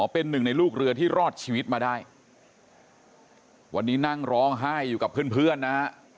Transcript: เป็นหนึ่งในลูกเรือที่รอดชีวิตมาได้วันนี้นั่งร้องไห้อยู่กับเพื่อนเพื่อนนะฮะ